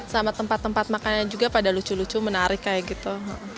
sama tempat tempat makannya juga pada lucu lucu menarik kayak gitu